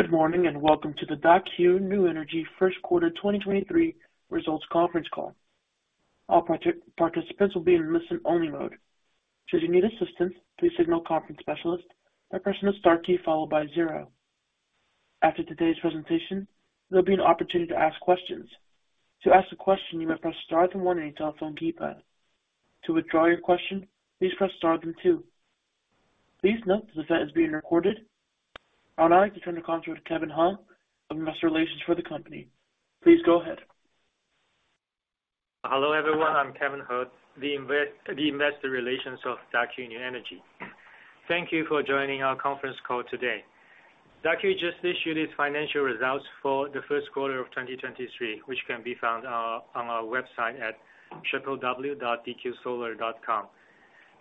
Good morning. Welcome to the Daqo New Energy First Quarter 2023 Results Conference Call. All participants will be in listen-only mode. Should you need assistance, please signal conference specialist by pressing the star key followed by zero. After today's presentation, there'll be an opportunity to ask questions. To ask a question, you may press star then one on your telephone keypad. To withdraw your question, please press star then two. Please note this event is being recorded. I would now like to turn the call to Kevin He, Investor Relations for the company. Please go ahead. Hello, everyone. I'm Kevin He, the Investor Relations of Daqo New Energy. Thank you for joining our conference call today. Daqo just issued its financial results for the first quarter of 2023, which can be found on our website at www.dqsolar.com.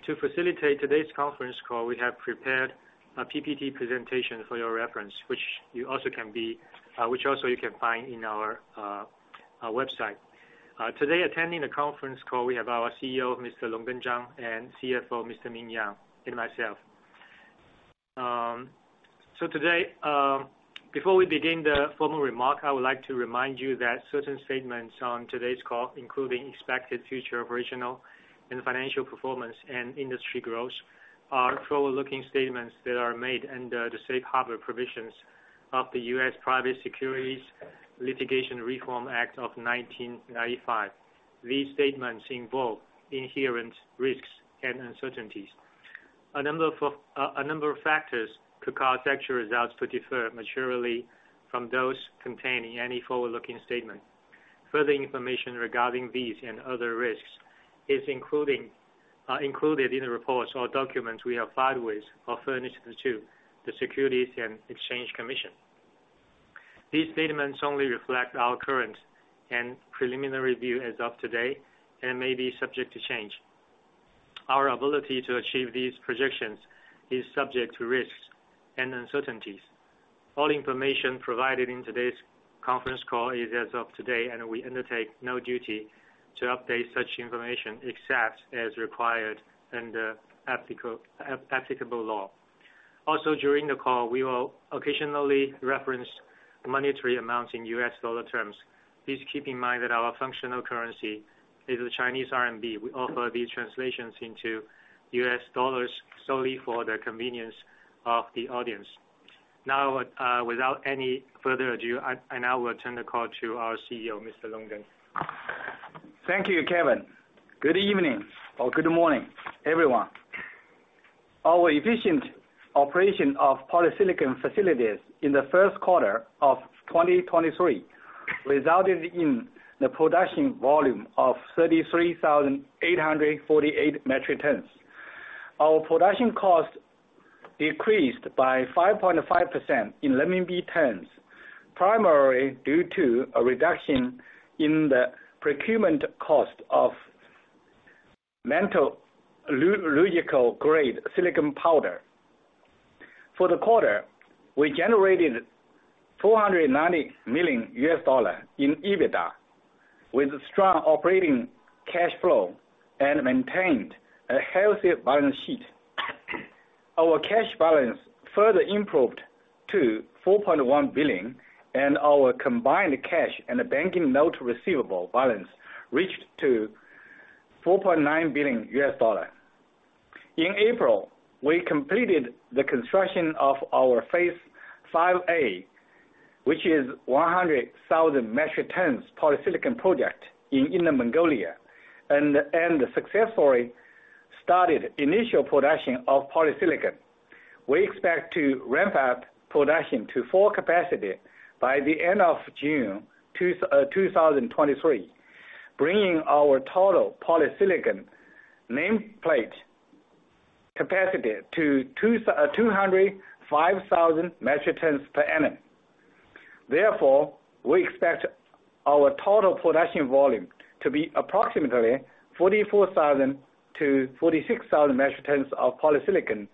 To facilitate today's conference call, we have prepared a PPT presentation for your reference, which also you can find in our website. Today attending the conference call, we have our CEO, Mr. Longgen Zhang, and CFO, Mr. Ming Yang, and myself. Today, before we begin the formal remark, I would like to remind you that certain statements on today's call, including expected future original and financial performance and industry growth, are forward-looking statements that are made under the safe harbor provisions of the US Private Securities Litigation Reform Act of 1995. These statements involve inherent risks and uncertainties. A number of factors could cause actual results to differ materially from those contained in any forward-looking statement. Further information regarding these and other risks is included in the reports or documents we have filed with or furnished to the Securities and Exchange Commission. These statements only reflect our current and preliminary view as of today and may be subject to change. Our ability to achieve these projections is subject to risks and uncertainties. All information provided in today's conference call is as of today, and we undertake no duty to update such information except as required under applicable law. Also, during the call, we will occasionally reference monetary amounts in U.S. dollar terms. Please keep in mind that our functional currency is the Chinese RMB. We offer these translations into U.S. dollars solely for the convenience of the audience. Now, without any further ado, I now will turn the call to our CEO, Mr. Longgen. Thank you, Kevin. Good evening or good morning, everyone. Our efficient operation of polysilicon facilities in the first quarter of 2023 resulted in the production volume of 33,848 metric tons. Our production cost decreased by 5.5% in renminbi terms, primarily due to a reduction in the procurement cost of metallurgical grade silicon powder. For the quarter, we generated $290 million in EBITDA with strong operating cash flow and maintained a healthy balance sheet. Our cash balance further improved to $4.1 billion. Our combined cash and banking note receivable balance reached to $4.9 billion. In April, we completed the construction of our Phase 5A, which is 100,000 metric tons polysilicon project in Inner Mongolia, and successfully started initial production of polysilicon. We expect to ramp up production to full capacity by the end of June 2023, bringing our total polysilicon nameplate capacity to 205,000 metric tons per annum. We expect our total production volume to be approximately 44,000-46,000 metric tons of polysilicon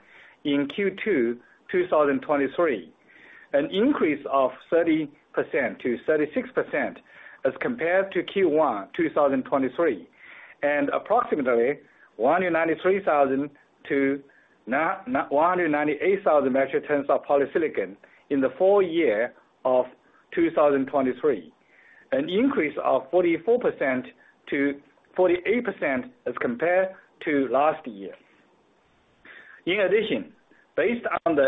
in Q2 2023, an increase of 30%-36% as compared to Q1 2023, and approximately 193,000-198,000 metric tons of polysilicon in the full year of 2023, an increase of 44%-48% as compared to last year. Based on the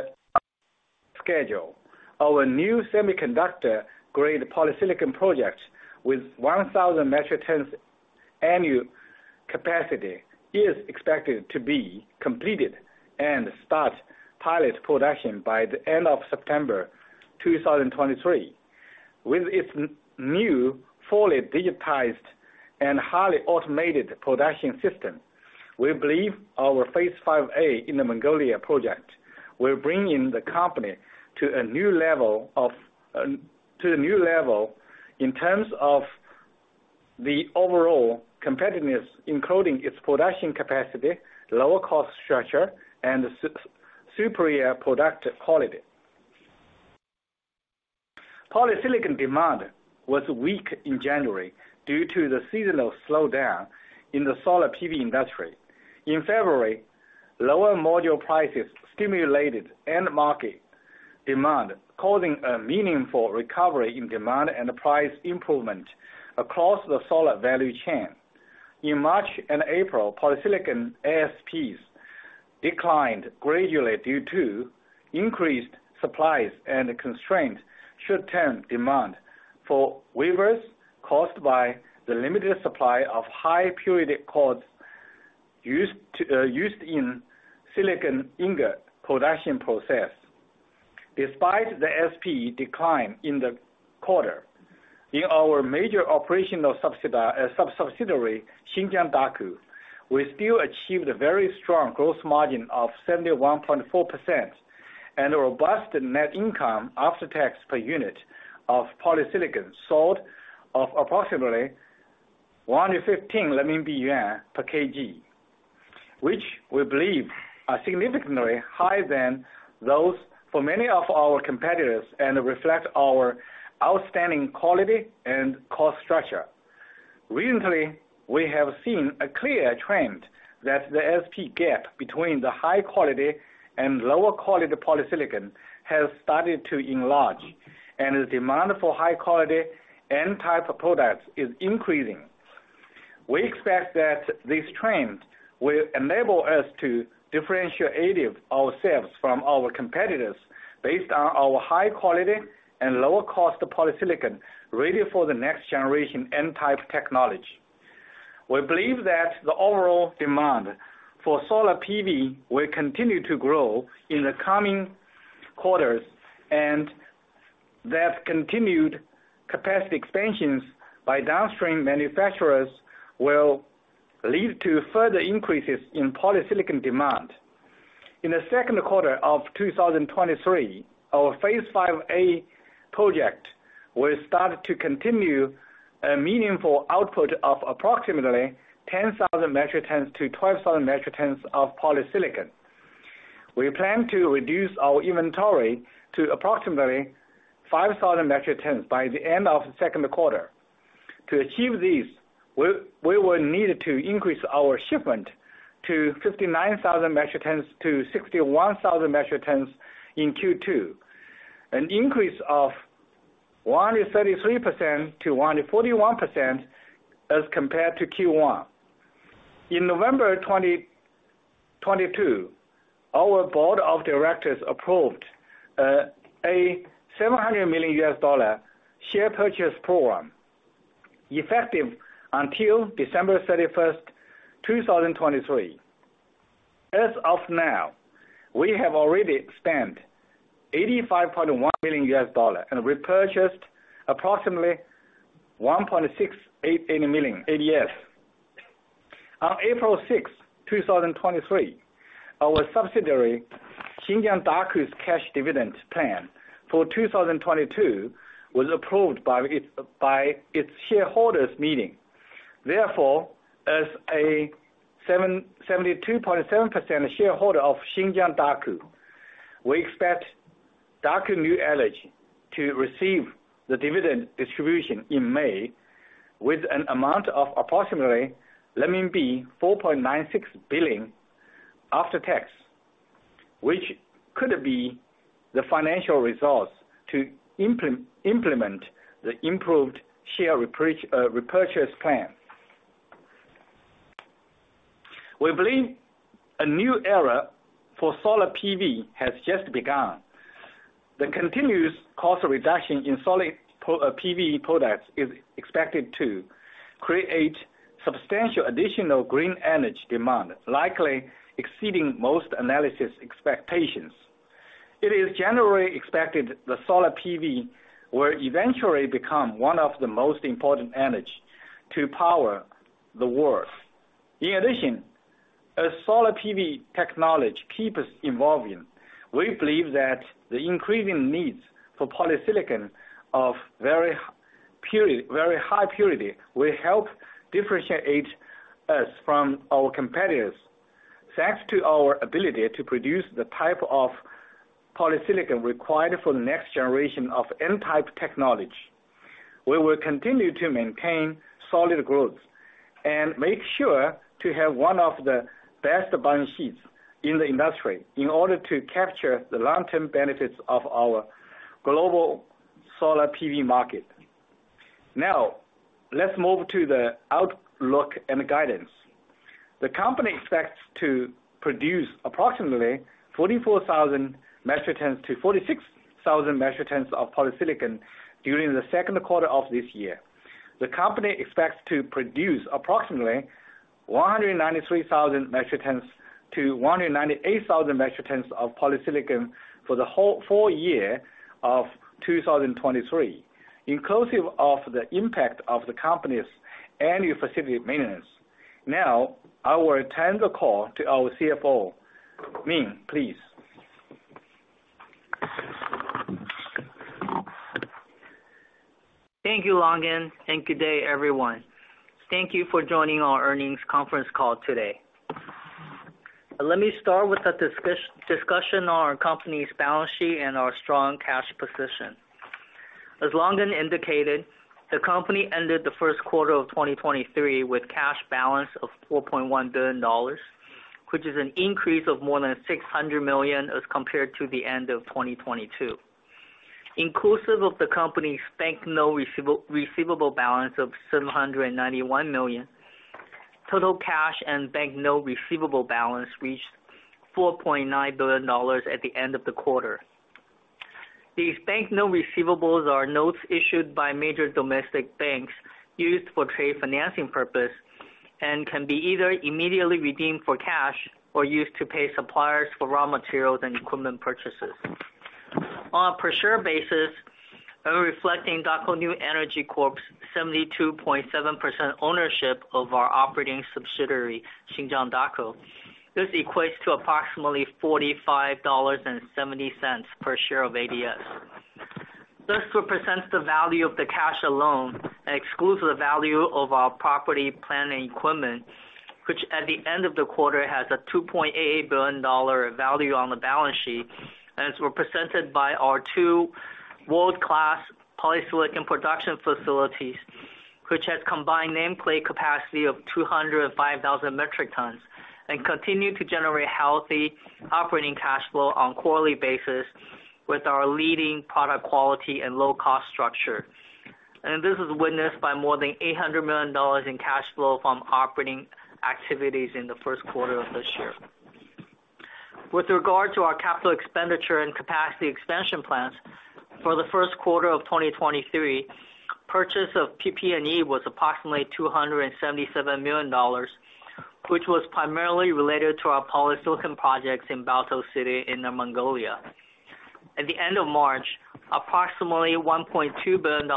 schedule, our new semiconductor-grade polysilicon project with 1,000 metric tons annual capacity is expected to be completed and start pilot production by the end of September 2023. With its new fully digitized and highly automated production system, we believe our Phase 5A Inner Mongolia project will bring in the company to a new level in terms of the overall competitiveness, including its production capacity, lower cost structure, and superior product quality. Polysilicon demand was weak in January due to the seasonal slowdown in the solar PV industry. In February, lower module prices stimulated end market demand, causing a meaningful recovery in demand and price improvement across the solar value chain. In March and April, polysilicon ASPs declined gradually due to increased supplies and constraint short-term demand for wafers caused by the limited supply of high-purity quartz used in silicon ingot production process. Despite the SP decline in the quarter, in our major operational subsidiary, Xinjiang Daqo, we still achieved a very strong gross margin of 71.4% and a robust net income after tax per unit of polysilicon sold of approximately 115 RMB yuan per kg, which we believe are significantly higher than those for many of our competitors and reflect our outstanding quality and cost structure. Recently, we have seen a clear trend that the SP gap between the high quality and lower quality polysilicon has started to enlarge, and the demand for high quality N-type products is increasing. We expect that this trend will enable us to differentiate ourselves from our competitors based on our high quality and lower cost polysilicon ready for the next generation N-type technology. We believe that the overall demand for solar PV will continue to grow in the coming quarters, and that continued capacity expansions by downstream manufacturers will lead to further increases in polysilicon demand. In the second quarter of 2023, our Phase 5A project will start to continue a meaningful output of approximately 10,000 metric tons-12,000 metric tons of polysilicon. We plan to reduce our inventory to approximately 5,000 metric tons by the end of second quarter. To achieve this, we will need to increase our shipment to 59,000 metric tons-61,000 metric tons in Q2, an increase of 133%-141% as compared to Q1. In November 2022, our board of directors approved a $700 million share purchase program, effective until December 31, 2023. As of now, we have already spent $85.1 million and repurchased approximately 1.688 million ADS. On April 6, 2023, our subsidiary, Xinjiang Daqo's cash dividend plan for 2022 was approved by its shareholders meeting. Therefore, as a 72.7% shareholder of Xinjiang Daqo, we expect Daqo New Energy to receive the dividend distribution in May with an amount of approximately 4.96 billion after tax, which could be the financial resource to implement the improved share repurchase plan. We believe a new era for solar PV has just begun. The continuous cost reduction in solar PV products is expected to create substantial additional green energy demand, likely exceeding most analysis expectations. It is generally expected the solar PV will eventually become one of the most important energy to power the world. In addition, as solar PV technology keeps evolving, we believe that the increasing needs for polysilicon of very purity, very high purity, will help differentiate us from our competitors. Thanks to our ability to produce the type of polysilicon required for the next generation of N-type technology, we will continue to maintain solid growth and make sure to have one of the best balance sheets in the industry in order to capture the long-term benefits of our global solar PV market. Now, let's move to the outlook and guidance. The company expects to produce approximately 44,000 metric tons to 46,000 metric tons of polysilicon during the second quarter of this year. The company expects to produce approximately 193,000 metric tons-198,000 metric tons of polysilicon for the whole full year of 2023, inclusive of the impact of the company's annual facility maintenance. Now, I will turn the call to our CFO, Ming, please. Thank you, Longgen. Good day, everyone. Thank you for joining our earnings conference call today. Let me start with a discussion on our company's balance sheet and our strong cash position. As Longgen indicated, the company ended the first quarter of 2023 with cash balance of $4.1 billion, which is an increase of more than $600 million as compared to the end of 2022. Inclusive of the company's bank note receivable balance of $791 million, total cash and bank note receivable balance reached $4.9 billion at the end of the quarter. These bank note receivables are notes issued by major domestic banks used for trade financing purpose, and can be either immediately redeemed for cash or used to pay suppliers for raw materials and equipment purchases. On a per share basis, reflecting Daqo New Energy Corp's 72.7% ownership of our operating subsidiary, Xinjiang Daqo, this equates to approximately $45.70 per share of ADS. This represents the value of the cash alone and excludes the value of our property, plant, and equipment, which at the end of the quarter, has a $2.8 billion value on the balance sheet and is represented by our two world-class polysilicon production facilities, which has combined nameplate capacity of 205,000 metric tons and continue to generate healthy operating cash flow on quarterly basis with our leading product quality and low cost structure. This is witnessed by more than $800 million in cash flow from operating activities in the first quarter of this year. With regard to our capital expenditure and capacity expansion plans, for the first quarter of 2023, purchase of PP&E was approximately $277 million, which was primarily related to our polysilicon projects in Baotou City, Inner Mongolia. At the end of March, approximately $1.2 billion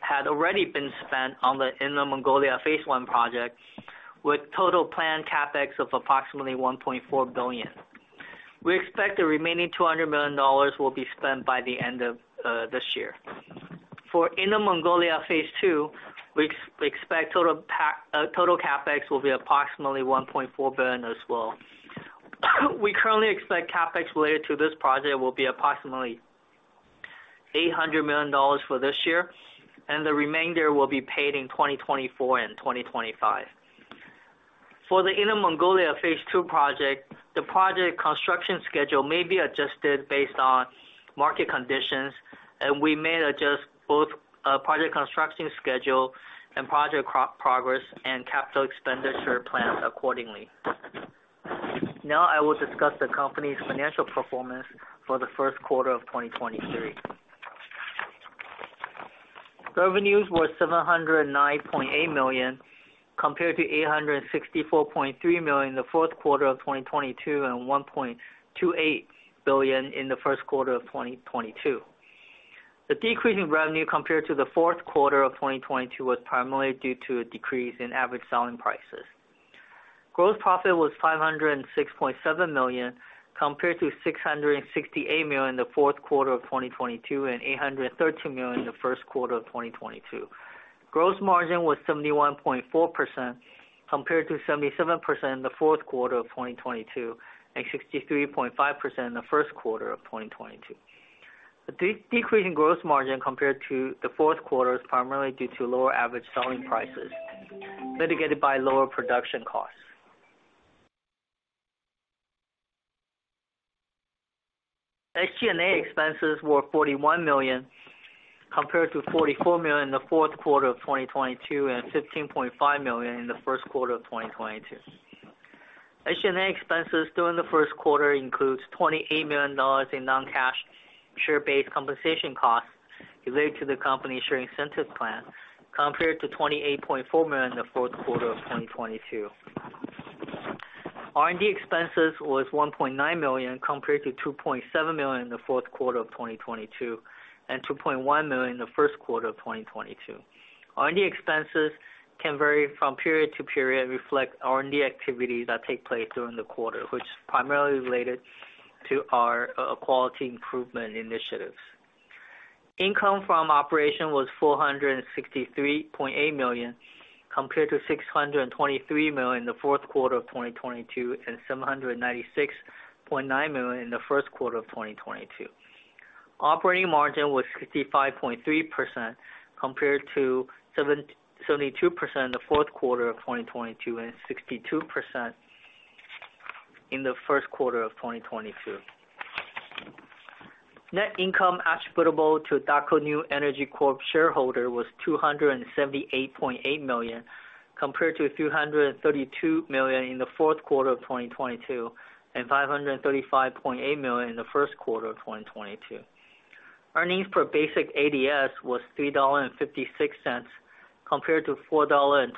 had already been spent on the Inner Mongolia Phase 1 project, with total planned CapEx of approximately $1.4 billion. We expect the remaining $200 million will be spent by the end of this year. For Inner Mongolia Phase 2, we expect total CapEx will be approximately $1.4 billion as well. We currently expect CapEx related to this project will be approximately $800 million for this year, and the remainder will be paid in 2024 and 2025. For the Inner Mongolia Phase 2 project, the project construction schedule may be adjusted based on market conditions, and we may adjust both project construction schedule and project progress and capital expenditure plans accordingly. I will discuss the company's financial performance for the first quarter of 2023. Revenues were $709.8 million, compared to $864.3 million in the fourth quarter of 2022 and $1.28 billion in the first quarter of 2022. The decrease in revenue compared to the fourth quarter of 2022 was primarily due to a decrease in average selling prices. Gross profit was $506.7 million, compared to $668 million in the fourth quarter of 2022 and $813 million in the first quarter of 2022. Gross margin was 71.4%, compared to 77% in the fourth quarter of 2022 and 63.5% in the first quarter of 2022. The decrease in gross margin compared to the fourth quarter is primarily due to lower average selling prices, mitigated by lower production costs. SG&A expenses were $41 million, compared to $44 million in the fourth quarter of 2022 and $15.5 million in the first quarter of 2022. SG&A expenses during the first quarter includes $28 million in non-cash share-based compensation costs related to the company's share incentive plan, compared to $28.4 million in the fourth quarter of 2022. R&D expenses was $1.9 million, compared to $2.7 million in the fourth quarter of 2022, and $2.1 million in the first quarter of 2022. R&D expenses can vary from period to period and reflect R&D activities that take place during the quarter, which is primarily related to our quality improvement initiatives. Income from operation was $463.8 million, compared to $623 million in the fourth quarter of 2022, and $796.9 million in the first quarter of 2022. Operating margin was 65.3%, compared to 72% in the fourth quarter of 2022, and 62% in the first quarter of 2022. Net income attributable to Daqo New Energy Corp shareholder was $278.8 million, compared to $332 million in the fourth quarter of 2022, and $535.8 million in the first quarter of 2022. Earnings per basic ADS was $3.56, compared to $4.26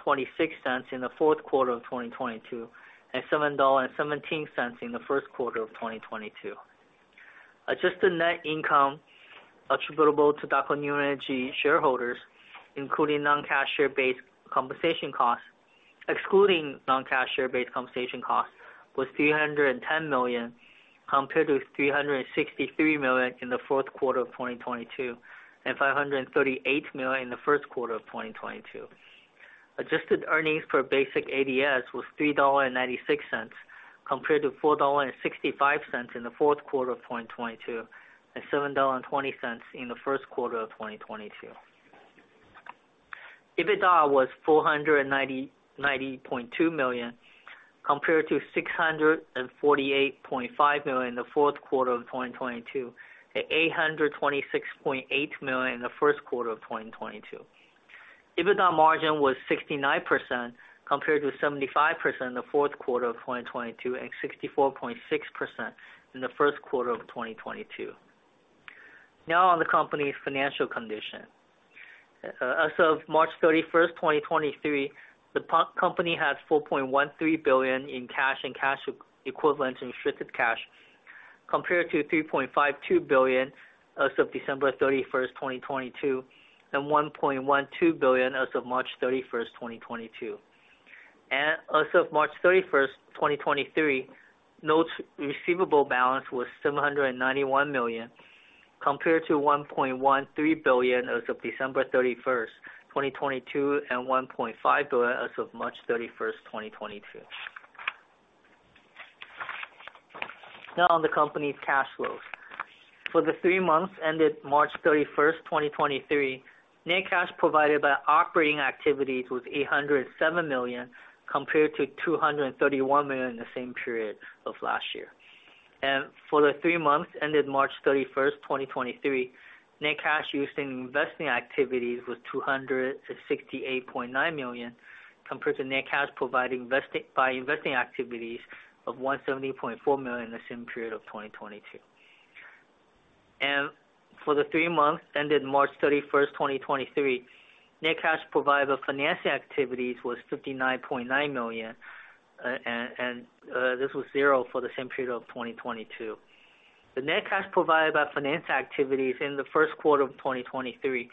in the fourth quarter of 2022, and $7.17 in the first quarter of 2022. Adjusted net income attributable to Daqo New Energy shareholders, excluding non-cash share-based compensation costs, was $310 million, compared to $363 million in the fourth quarter of 2022, and $538 million in the first quarter of 2022. Adjusted earnings per basic ADS was $3.96 compared to $4.65 in the fourth quarter of 2022 and $7.20 in the first quarter of 2022. EBITDA was $499.2 million compared to $648.5 million in the fourth quarter of 2022, at $826.8 million in the first quarter of 2022. EBITDA margin was 69% compared to 75% in the fourth quarter of 2022 and 64.6% in the first quarter of 2022. On the company's financial condition. As of March 31st, 2023, the company has $4.13 billion in cash and cash equivalent and restricted cash compared to $3.52 billion as of December 31st, 2022, and $1.12 billion as of March 31st, 2022. As of March 31, 2023, notes receivable balance was $791 million compared to $1.13 billion as of December 31, 2022, and $1.5 billion as of March 31, 2022. Now on the company's cash flows. For the three months ended March 31, 2023, net cash provided by operating activities was $807 million compared to $231 million in the same period of last year. For the three months ended March 31, 2023, net cash used in investing activities was $268.9 million compared to net cash provided by investing activities of $170.4 million in the same period of 2022. For the three months ended March 31, 2023, net cash provided by financing activities was $59.9 million, and this was zero for the same period of 2022. The net cash provided by finance activities in the first quarter of 2023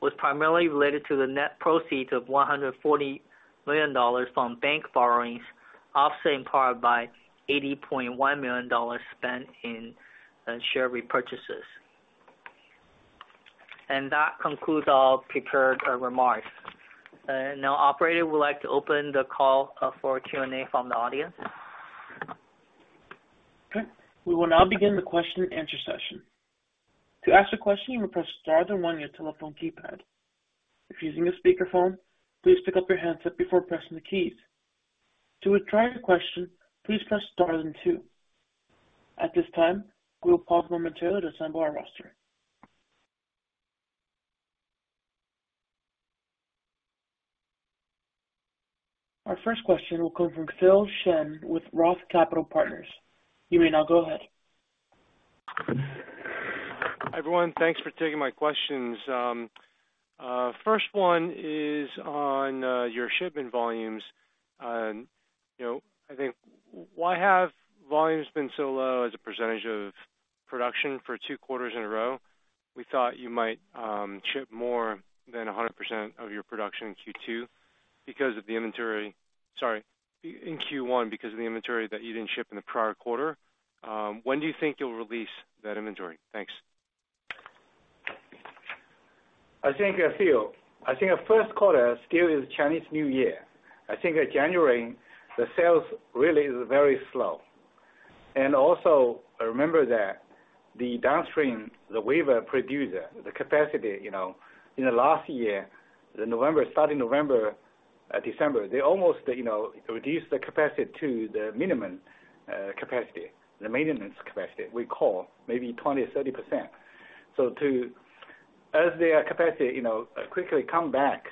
was primarily related to the net proceeds of $140 million from bank borrowings, offset in part by $80.1 million spent in share repurchases. That concludes our prepared remarks. Now, operator, we'd like to open the call for Q&A from the audience. Okay. We will now begin the question and answer session. To ask a question, you may press star then one on your telephone keypad. If using a speakerphone, please pick up your handset before pressing the keys. To withdraw your question, please press star then two. At this time, we will pause momentarily to assemble our roster. Our first question will come from Phil Shen with ROTH Capital Partners. You may now go ahead. Hi, everyone. Thanks for taking my questions. First one is on your shipment volumes. You know, I think why have volumes been so low as a percentage of production for two quarters in a row? We thought you might ship more than 100% of your production in Q2 because of the inventory... Sorry, in Q1 because of the inventory that you didn't ship in the prior quarter. When do you think you'll release that inventory? Thanks. I think, Phil, our first quarter still is Chinese New Year. At January, the sales really is very slow. Remember that the downstream, the wafer producer, the capacity, you know, in the last year, November, starting November, December, they almost, you know, reduced the capacity to the minimum capacity, the maintenance capacity we call, maybe 20%-30%. As their capacity, you know, quickly come back,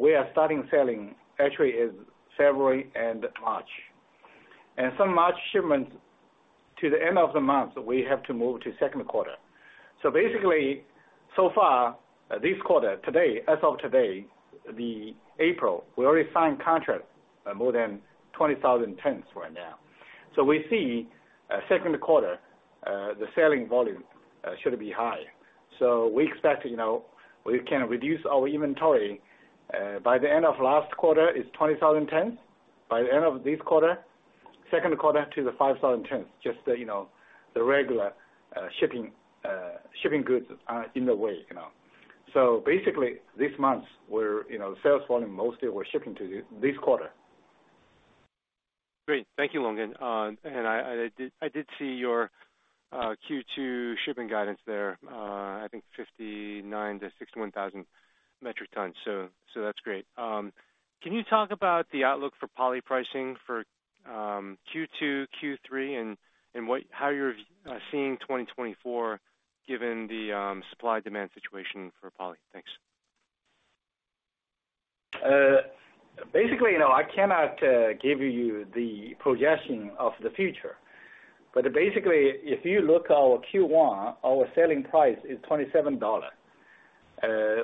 we are starting selling actually is February and March. Some March shipments to the end of the month, we have to move to second quarter. Basically, so far, this quarter, today, as of today, April, we already signed contract, more than 20,000 tons right now. We see, second quarter, the selling volume should be high. We expect, you know, we can reduce our inventory, by the end of last quarter is 20,000 tons. By the end of this quarter, second quarter to the 5,000 tons, just, you know, the regular, shipping goods are in the way, you know. Basically, these months were, you know, sales volume mostly were shipping to this quarter. Great. Thank you, Longgen. I did see your Q2 shipping guidance there, 59,000-61,000 metric tons. That's great. Can you talk about the outlook for poly pricing for Q2, Q3, and how you're seeing 2024 given the supply-demand situation for poly? Thanks. Basically, you know, I cannot give you the projection of the future. Basically, if you look our Q1, our selling price is $27.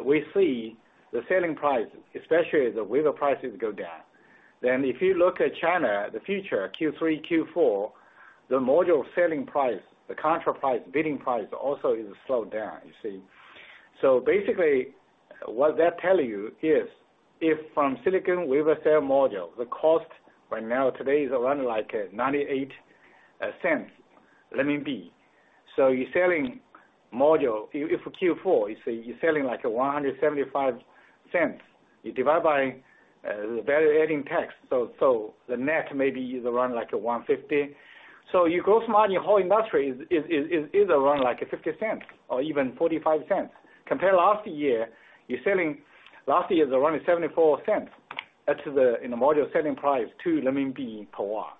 We see the selling price, especially the wafer prices go down. If you look at China, the future, Q3, Q4, the module selling price, the contract price, bidding price also is slowed down, you see. Basically, what that tell you is, if from silicon wafer cell module, the cost right now today is around like, 0.98. You're selling module... If Q4, you say you're selling like 1.75, you divide by the value-added tax. The net maybe is around like 1.50. Your gross margin, whole industry is around like 0.50 or even 0.45. Compare last year, you're selling last year is around 0.74. That's in the module selling price to RMB per watt.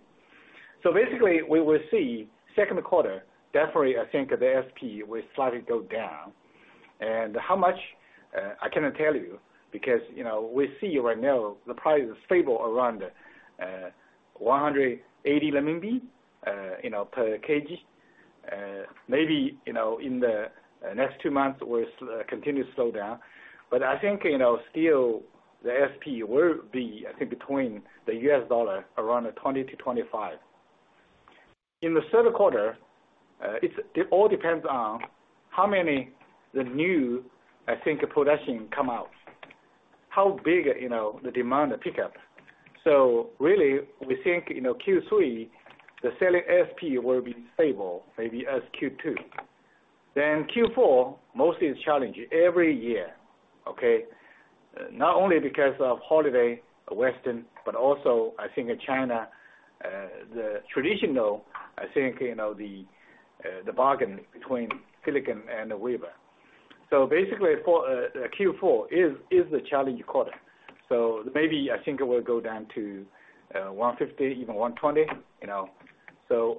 Basically, we will see second quarter, definitely I think the SP will slightly go down. How much I cannot tell you because, you know, we see right now the price is stable around 180 renminbi, you know, per kg. Maybe, you know, in the next two months will continue to slow down. I think, you know, still the SP will be, I think, between the U.S. dollar around $20-$25. In the third quarter, it all depends on how many the new, I think, production come out. How big, you know, the demand pickup. Really we think, you know, Q3, the selling SP will be stable, maybe as Q2. Q4 mostly is challenging every year, okay? Not only because of holiday, Western, but also I think in China, the traditional, I think, you know, the bargain between silicon and the wafer. Basically for Q4 is the challenge quarter. Maybe I think it will go down to $150, even $120, you know.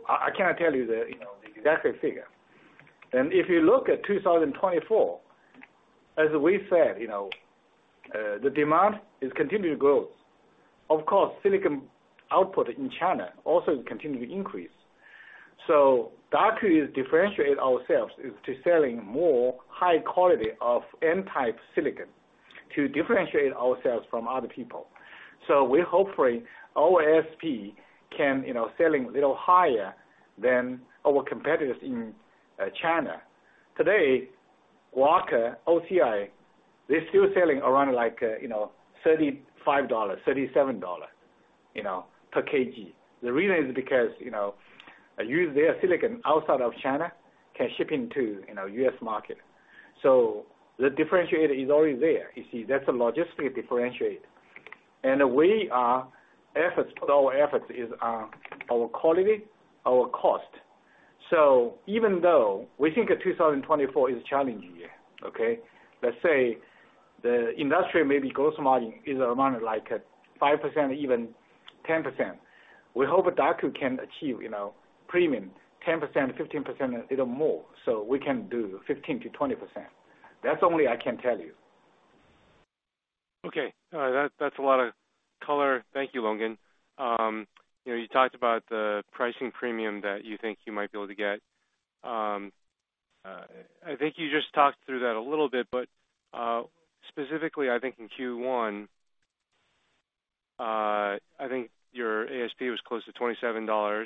I cannot tell you the, you know, the exact figure. If you look at 2024, as we said, you know, the demand is continuing to grow. Of course, silicon output in China also continue to increase. Daqo is differentiate ourselves is to selling more high quality of N-type silicon to differentiate ourselves from other people. We hopefully, our ASP can, you know, selling a little higher than our competitors in China. Today, Wacker, OCI, they're still selling around like, you know, $35, $37, you know, per kg. The reason is because, you know, they use their silicon outside of China, can ship into, you know, U.S. market. The differentiator is already there. You see, that's a logistic differentiate. We are efforts, our efforts is on our quality, our cost. Even though we think that 2024 is challenging year, okay? Let's say the industry maybe gross margin is around like 5% or even 10%. We hope Daqo can achieve, you know, premium 10%, 15%, a little more, so we can do 15%-20%. That's only I can tell you. Okay. All right. That's a lot of color. Thank you, Longgen. You know, you talked about the pricing premium that you think you might be able to get. I think you just talked through that a little bit, but specifically I think in Q1, I think your ASP was close to $27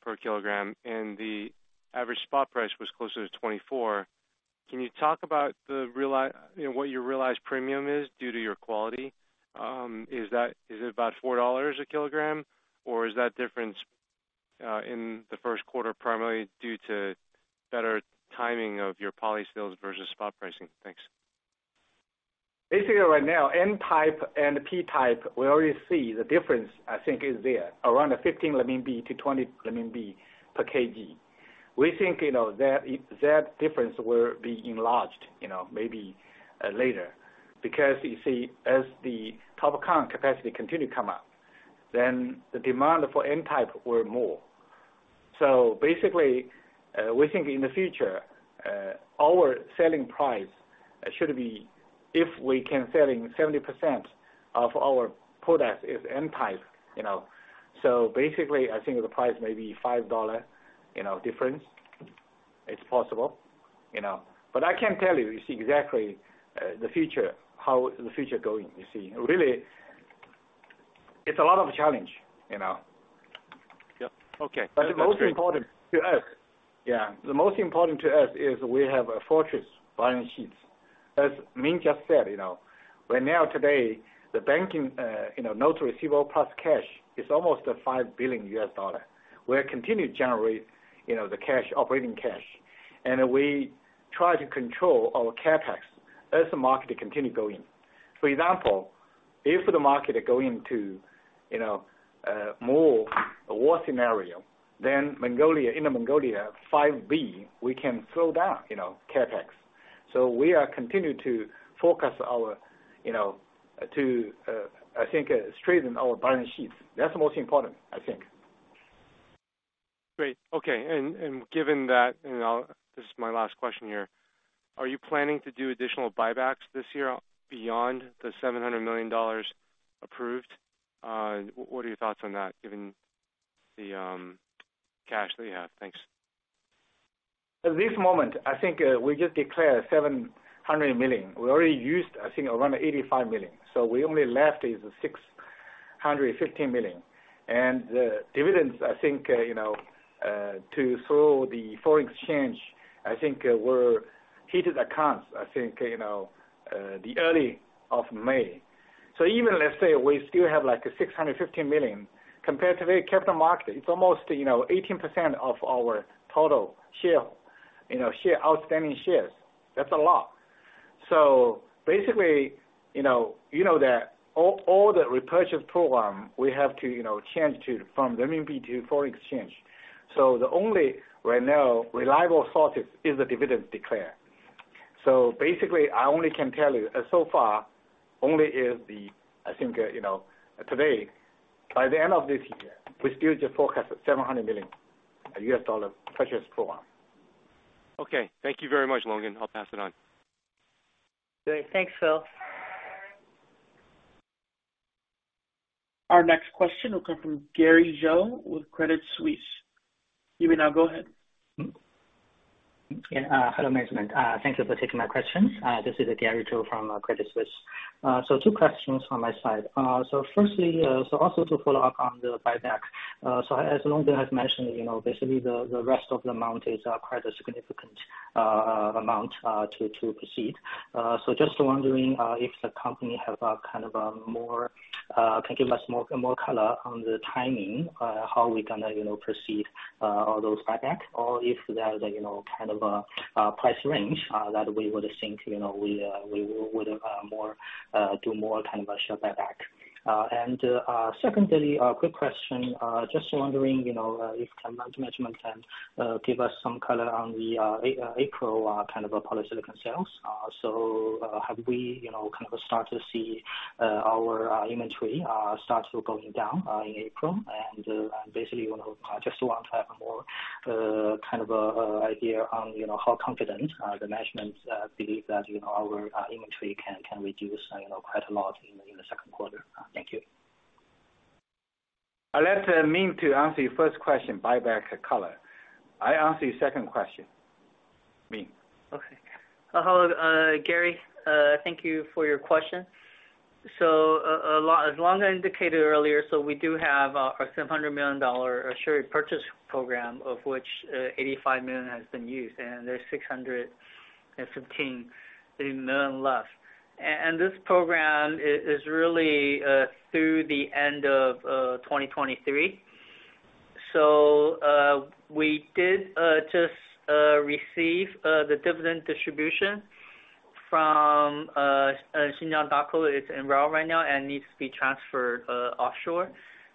per kilogram, and the average spot price was closer to $24. Can you talk about you know, what your realized premium is due to your quality? Is it about $4 a kilogram, or is that difference in the first quarter primarily due to better timing of your poly sales versus spot pricing? Thanks. Right now, N-type and P-type, we already see the difference, I think, is there. Around 15-20 renminbi per kg. We think, you know, that difference will be enlarged, you know, maybe later. You see, as the TOPCon capacity continue to come up, then the demand for N-type were more. Basically, we think in the future, our selling price should be if we can selling 70% of our products is N-type, you know. Basically I think the price may be $5, you know, difference. It's possible, you know. I can tell you see exactly, the future, how the future going, you see. Really, it's a lot of challenge, you know? Yeah. Okay. The most important to us, yeah. The most important to us is we have a fortress balance sheets. As Ming just said, you know, right now today, the banking, you know, notes receivable plus cash is almost $5 billion. We're continue to generate, you know, the cash, operating cash. We try to control our CapEx as the market continue going. For example, if the market go into, you know, more a war scenario, then Mongolia, Inner Mongolia, 5B, we can slow down, you know, CapEx. We are continuing to focus our, you know, to, I think, strengthen our balance sheets. That's the most important, I think. Great. Okay. Given that, you know, this is my last question here. Are you planning to do additional buybacks this year beyond the $700 million approved? What are your thoughts on that, given the cash that you have? Thanks. At this moment, I think, we just declared $700 million. We already used, I think, around $85 million, so we only left is $650 million. The dividends I think, you know, to slow the foreign exchange, I think, we're heated accounts, I think, you know, the early of May. Even let's say we still have like $650 million compared to the capital market, it's almost, you know, 18% of our total share, outstanding shares. That's a lot. Basically, you know, you know that all the repurchase program, we have to, you know, change to from renminbi to foreign exchange. The only right now reliable sources is the dividends declared. Basically I only can tell you so far only is I think, you know, today by the end of this year, we still just forecast $700 million purchase program. Okay. Thank you very much, Longgen. I'll pass it on. Great. Thanks, Phil. Our next question will come from Gary Zhou with Credit Suisse. You may now go ahead. Yeah. Hello, management. Thank you for taking my questions. This is Gary Zhou from Credit Suisse. Two questions on my side. Firstly, also to follow up on the buyback, as Longgen has mentioned, you know, basically the rest of the amount is quite a significant amount to proceed. Just wondering if the company have a kind of a more, can give us more, more color on the timing, how we gonna, you know, proceed all those buyback or if there is a, you know, kind of a price range that we would think, you know, we would more do more kind of a share buyback. Secondly, a quick question, just wondering, you know, if management can give us some color on the April kind of a polysilicon sales? Have we, you know, kind of start to see our inventory start to going down in April? Basically want to have a more kind of idea on, you know, how confident the management believe that, you know, our inventory can reduce, you know, quite a lot in the second quarter. Thank you. I'll let Ming to answer your first question, buyback color. I answer your second question. Ming. Okay. Hello, Gary. Thank you for your question. As Longgen indicated earlier, we do have a $700 million share purchase program, of which $85 million has been used, and there's $615 million left. This program is really through the end of 2023. We did just receive the dividend distribution from Xinjiang Daqo. It's enrolled right now and needs to be transferred offshore.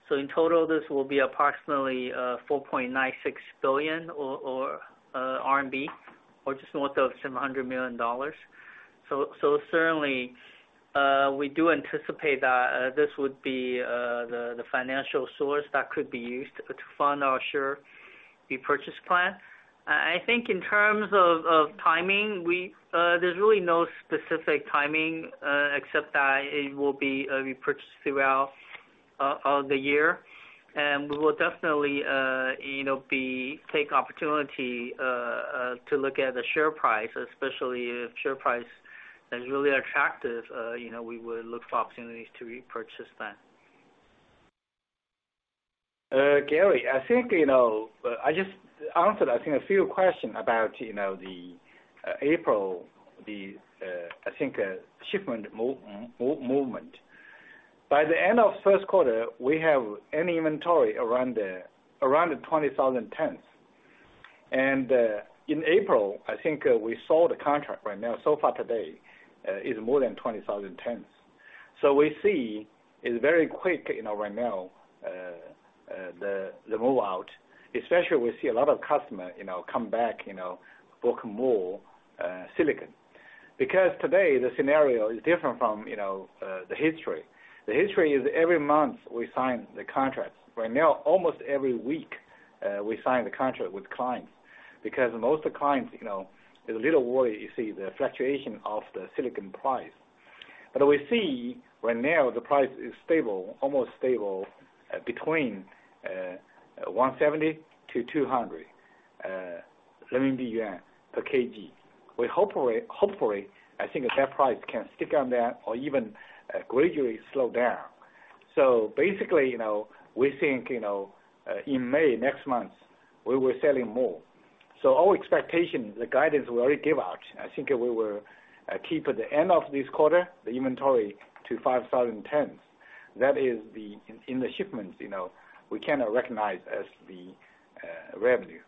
In total, this will be approximately 4.96 billion or just north of $700 million. Certainly, we do anticipate that this would be the financial source that could be used to fund our share repurchase plan. I think in terms of timing, there's really no specific timing, except that it will be repurchased throughout the year. We will definitely, you know, be take opportunity to look at the share price, especially if share price is really attractive, you know, we would look for opportunities to repurchase that. Gary, I think, you know, I just answered, I think a few question about, you know, the April, the, I think, shipment movement. By the end of first quarter, we have an inventory around the 20,000 tons. In April, I think, we saw the contract right now so far today, is more than 20,000 tons. We see it's very quick, you know, right now, the move out, especially we see a lot of customer, you know, come back, you know, book more silicon. Today the scenario is different from, you know, the history. The history is every month we sign the contracts. Right now, almost every week, we sign the contract with clients because most clients, you know, they're a little worried, you see the fluctuation of the silicon price. We see right now the price is stable, almost stable between 170-200 RMB yuan per kg. We hopefully, I think that price can stick on that or even gradually slow down. Basically, you know, we think, you know, in May next month we will be selling more. Our expectation, the guidance we already give out, I think we will keep at the end of this quarter the inventory to 5,000 tons. That is in the shipments, you know, we can recognize as the revenue,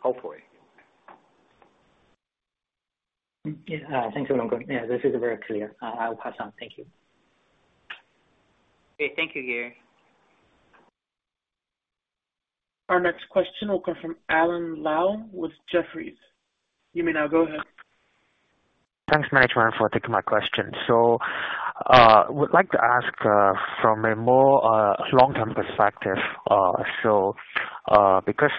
hopefully. Yeah. Thanks a lot. Yeah, this is very clear. I'll pass on. Thank you. Okay. Thank you, Gary. Our next question will come from Alan Lau with Jefferies. You may now go ahead. Thanks, management, for taking my question. Would like to ask from a more long-term perspective. Because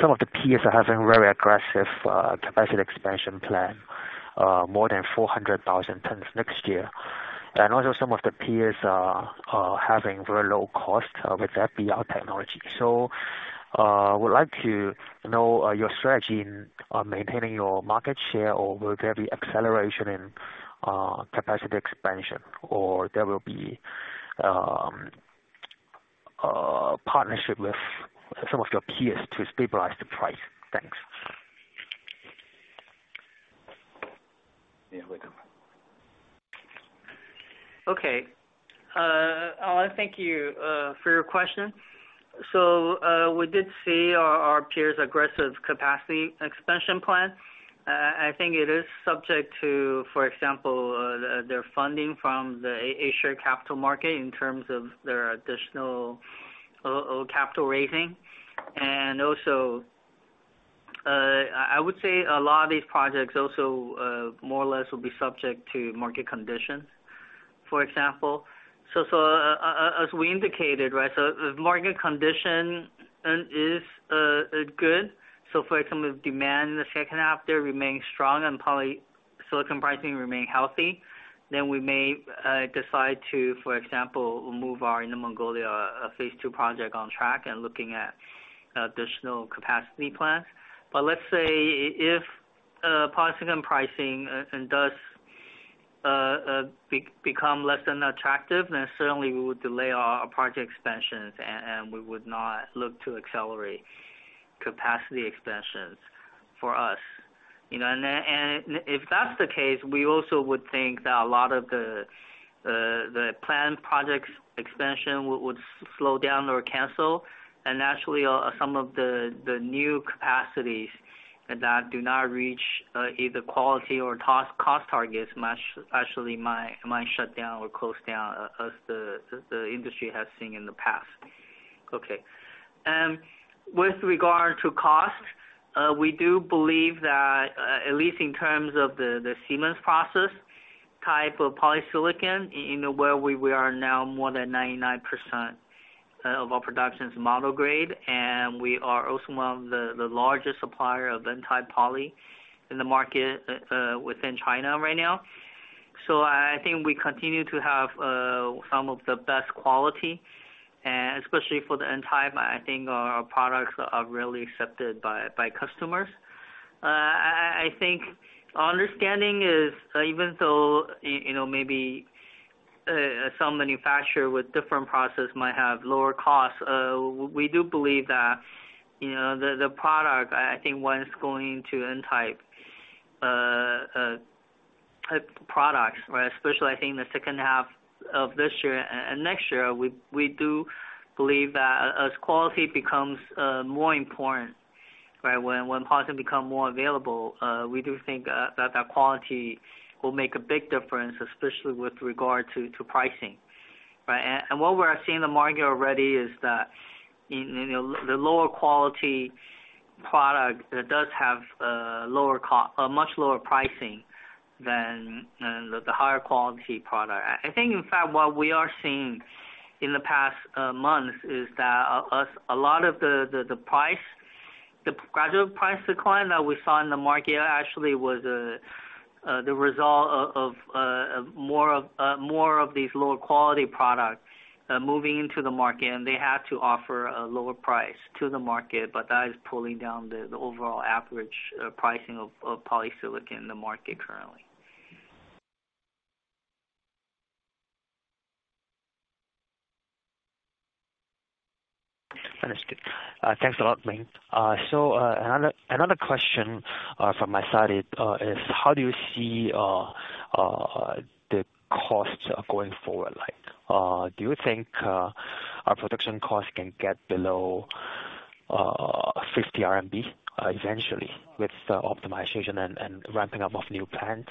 some of the peers are having very aggressive capacity expansion plan, more than 400,000 tons next year, and also some of the peers are having very low cost with FBR technology. Would like to know your strategy on maintaining your market share, or will there be acceleration in capacity expansion or there will be partnership with some of your peers to stabilize the price? Thanks. Okay. Alan Lau, thank you for your question. We did see our peers aggressive capacity expansion plan. I think it is subject to, for example, their funding from the A-share capital market in terms of their additional capital raising. Also, I would say a lot of these projects also more or less will be subject to market conditions, for example. As we indicated, right? If market condition is good, for example, if demand in the second half there remains strong and polysilicon pricing remain healthy, then we may decide to, for example, move our Inner Mongolia Phase 2 project on track and looking at additional capacity plans. Let's say if polysilicon pricing and does become less than attractive, then certainly we would delay our project expansions and we would not look to accelerate capacity expansions for us, you know. If that's the case, we also would think that a lot of the planned projects expansion would slow down or cancel. Naturally, some of the new capacities that do not reach either quality or cost targets might actually might shut down or close down as the, as the industry has seen in the past. Okay. With regard to cost, we do believe that, at least in terms of the Siemens process type of polysilicon, in a way we are now more than 99% of our production is mono grade, and we are also one of the largest supplier of N-type poly in the market within China right now. I think we continue to have some of the best quality, and especially for the N-type, I think our products are really accepted by customers. I think our understanding is even though, you know, maybe some manufacturer with different process might have lower costs, we do believe that, you know, the product, I think once going to N-type products, right? Especially I think in the second half of this year and next year, we do believe that as quality becomes more important, right? When one product become more available, we do think that quality will make a big difference, especially with regard to pricing, right? What we're seeing in the market already is that in, you know, the lower quality product that does have much lower pricing than the higher quality product. I think, in fact, what we are seeing in the past months is that as a lot of the price, the gradual price decline that we saw in the market actually was the result of more of these lower quality products moving into the market and they had to offer a lower price to the market. That is pulling down the overall average pricing of polysilicon in the market currently. Understood. Thanks a lot, Ming. Another question from my side is how do you see the costs going forward like? Do you think our production costs can get below 50 RMB eventually with the optimization and ramping up of new plants?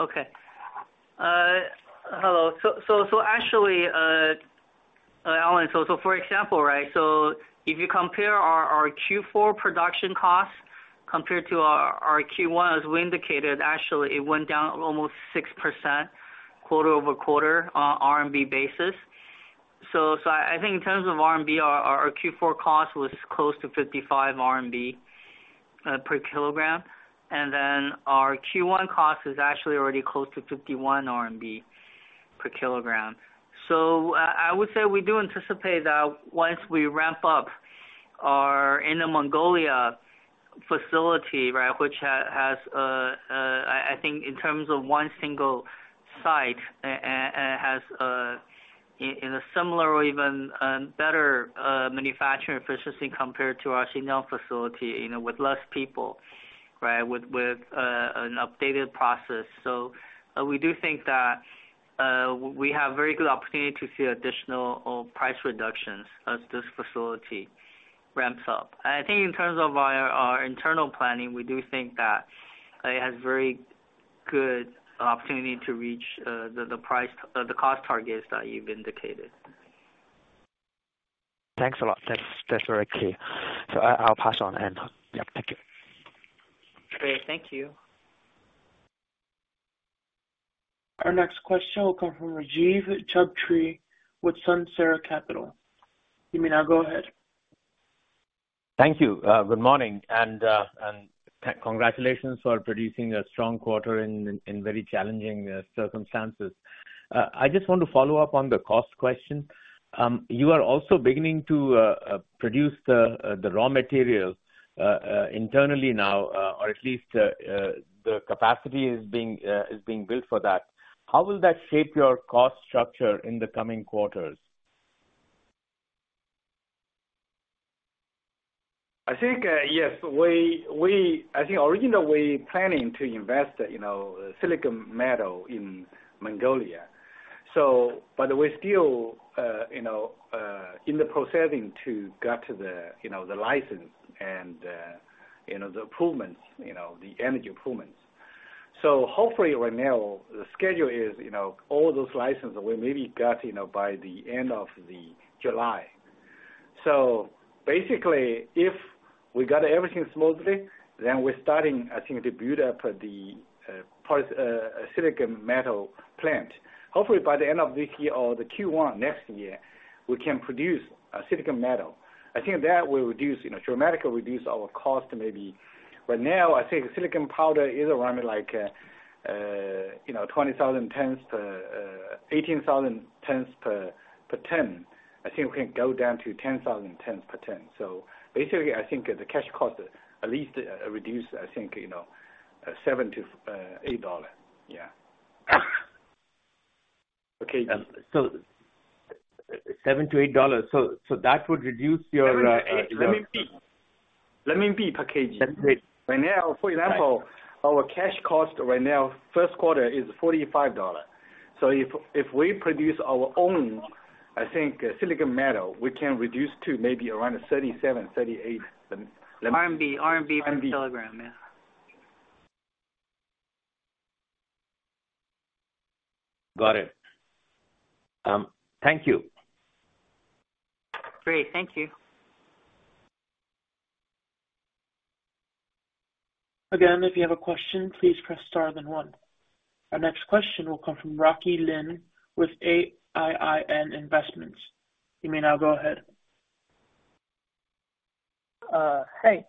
Okay. Hello. Actually, Allen, for example, right? If you compare our Q4 production costs compared to our Q1, as we indicated, actually it went down almost 6% quarter-over-quarter on RMB basis. I think in terms of RMB, our Q4 cost was close to 55 RMB per kilogram. Our Q1 cost is actually already close to 51 RMB per kilogram. I would say we do anticipate that once we ramp up our Inner Mongolia facility, right? Which has, I think in terms of one single site and has, in a similar or even better manufacturing efficiency compared to our Xinjiang facility, you know, with less people, right? With an updated process. We do think that we have very good opportunity to see additional price reductions as this facility ramps up. In terms of our internal planning, we do think that it has very good opportunity to reach the price, the cost targets that you've indicated. Thanks a lot. That's very clear. I'll pass on. Yeah, thank you. Great. Thank you. Our next question will come from Rajiv Chaudhri with Sunsara Capital. You may now go ahead. Thank you. Good morning. Congratulations for producing a strong quarter in very challenging circumstances. I just want to follow up on the cost question. You are also beginning to produce the raw materials internally now, or at least the capacity is being built for that. How will that shape your cost structure in the coming quarters? I think, yes, we, I think originally we planning to invest, you know, silicon metal in Mongolia. We're still, you know, in the processing to get to the, you know, the license and, you know, the improvements, you know, the energy improvements. Hopefully right now the schedule is, you know, all those licenses will maybe get, you know, by the end of July. Basically, if we got everything smoothly, then we're starting, I think, to build up the silicon metal plant. Hopefully by the end of this year or the Q1 next year, we can produce silicon metal. I think that will reduce, you know, dramatically reduce our cost maybe. Now I think silicon powder is around like, you know, 20,000 per ton, 18,000 per ton. I think we can go down to 10,000 tens per ton. basically I think the cash cost at least reduce, I think, you know, $7-$8. Yeah. Okay. $7-$8. So that would reduce your. RMB. RMB per kg. RMB. Right now, for example, our cash cost right now, first quarter is $45. If we produce our own, I think silicon metal, we can reduce to maybe around $37-$38. RMB. RMB per kilogram. Yeah. Got it. Thank you. Great. Thank you. Again, if you have a question, please press star then one. Our next question will come from Rocky Lin with AIIN Investments. You may now go ahead. Hey.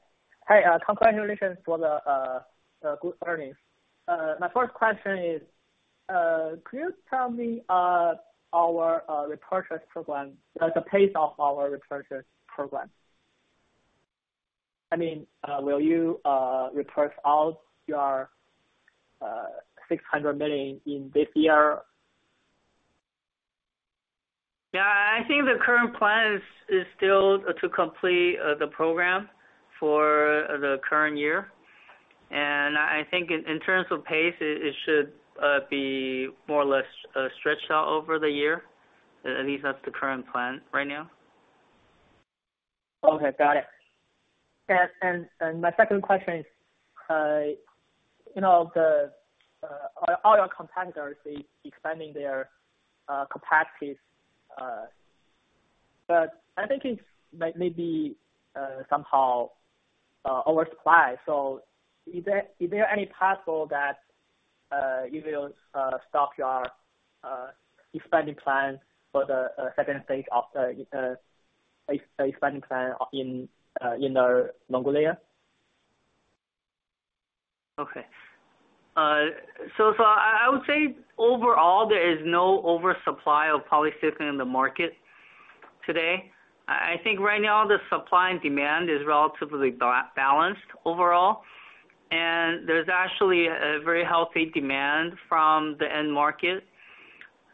Hi, congratulations for the good earnings. My first question is, could you tell me our repurchase program, like the pace of our repurchase program? I mean, will you repurchase all your $600 million in this year? Yeah, I think the current plan is still to complete the program for the current year. I think in terms of pace, it should be more or less stretched out over the year. At least that's the current plan right now. Okay, got it. My second question is, you know, the all your competitors is expanding their capacities. I think it's maybe somehow oversupply. Is there any possible that you will stop your expanding plan for the second phase of the expanding plan in Inner Mongolia? Okay. I would say overall there is no oversupply of polysilicon in the market today. I think right now the supply and demand is relatively balanced overall, and there's actually a very healthy demand from the end market.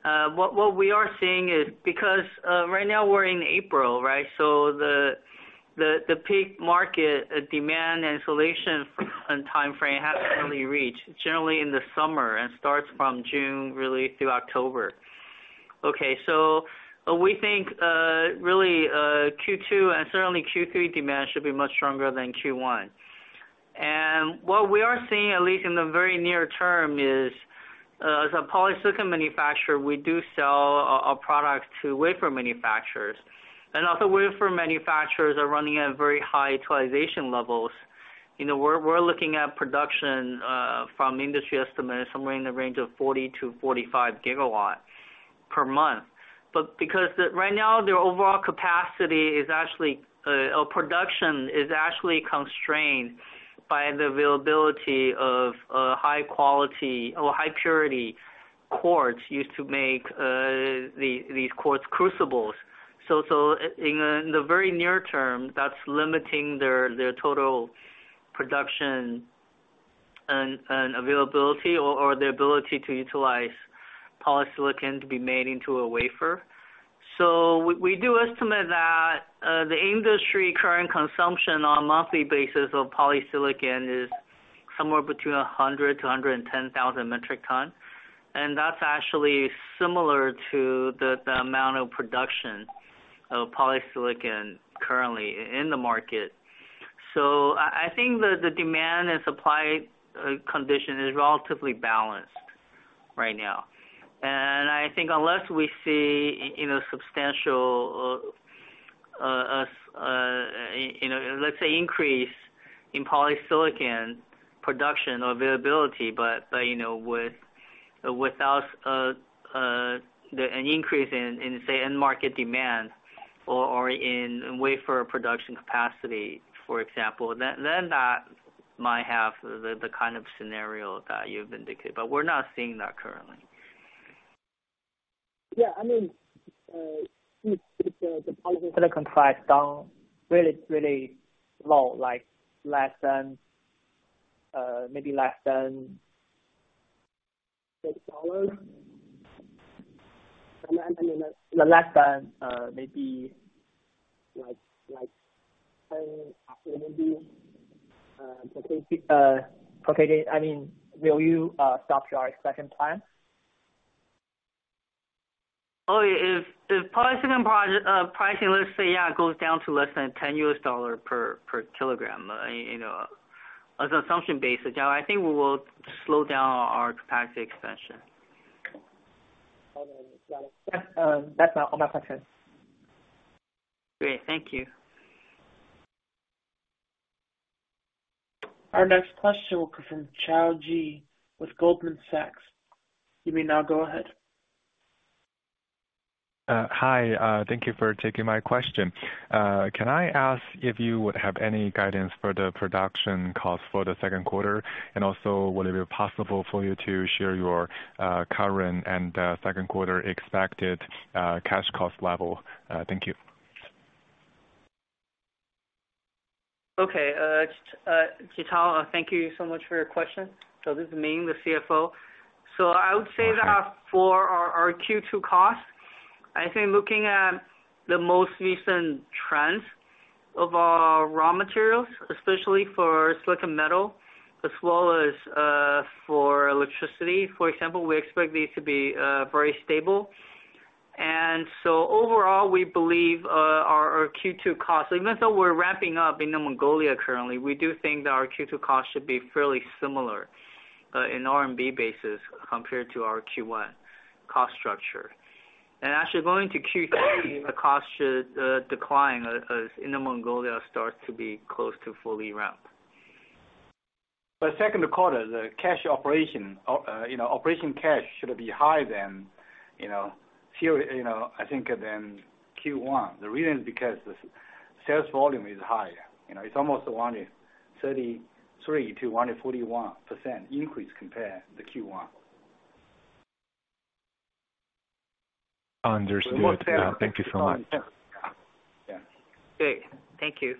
What we are seeing is because right now we're in April, right? The peak market demand installation and timeframe hasn't really reached. It's generally in the summer and starts from June really through October. Okay. We think really Q2 and certainly Q3 demand should be much stronger than Q1. What we are seeing, at least in the very near term, is as a polysilicon manufacturer, we do sell our products to wafer manufacturers. Other wafer manufacturers are running at very high utilization levels. You know, we're looking at production from industry estimates somewhere in the range of 40-45 GW per month. Because the right now their overall capacity is actually or production is actually constrained by the availability of high quality or high-purity quartz used to make these quartz crucibles. In the very near term, that's limiting their total production and availability or their ability to utilize polysilicon to be made into a wafer. We do estimate that the industry current consumption on a monthly basis of polysilicon is somewhere between 100,000-110,000 metric ton. That's actually similar to the amount of production of polysilicon currently in the market. I think the demand and supply condition is relatively balanced right now. I think unless we see, you know, substantial, you know, let's say increase in polysilicon production availability, but you know, without an increase in, say, end market demand or in wafer production capacity, for example, then that might have the kind of scenario that you've indicated. We're not seeing that currently. Yeah, I mean, if the polysilicon price down really low, like less than, maybe less than $6. I mean, less than, maybe like $10 after maybe. Okay, I mean, will you stop your expansion plan? If polysilicon pricing, let's say, yeah, goes down to less than $10 per kilogram, you know, as assumption basis, yeah, I think we will slow down our capacity expansion. Okay, got it. That's all my questions. Great. Thank you. Our next question will come from Chao Ji with Goldman Sachs. You may now go ahead. Hi. Thank you for taking my question. Can I ask if you would have any guidance for the production cost for the second quarter? Also, would it be possible for you to share your current and second quarter expected cash cost level? Thank you. Okay. Chao, thank you so much for your question. This is Ming, the CFO. I would say that for our Q2 costs, I think looking at the most recent trends of our raw materials, especially for silicon metal as well as for electricity, for example, we expect these to be very stable. Overall, we believe our Q2 costs, even though we're ramping up in Inner Mongolia currently, we do think that our Q2 costs should be fairly similar in RMB basis compared to our Q1 cost structure. Actually going to Q3 the cost should decline as Inner Mongolia starts to be close to fully ramp. The second quarter, the cash operation, you know, operation cash should be higher than, you know, few, you know, I think than Q1. The reason because the sales volume is higher. You know, it's almost 133%-141% increase compared to Q1. Understood. Thank you so much. Yeah. Great. Thank you.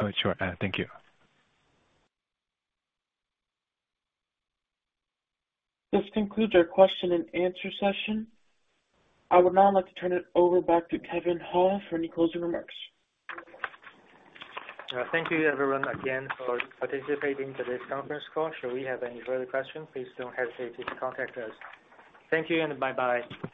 Oh, sure. Thank you. This concludes our question and answer session. I would now like to turn it over back to Kevin He for any closing remarks. Thank you everyone again for participating in today's conference call. Should we have any further questions, please don't hesitate to contact us. Thank you and bye-bye.